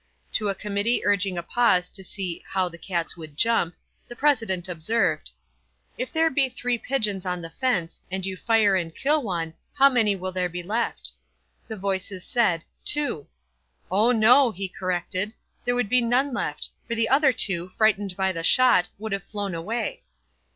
To a committee urging a pause to see "how the cats would jump," the President observed: "If there be three pigeons on the fence, and you fire and kill one, how many will there be left?" The voices said: "Two." "Oh, no," he corrected; "there would be none left; for the other two, frightened by the shot, would have flown away."